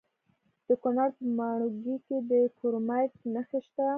د کونړ په ماڼوګي کې د کرومایټ نښې شته.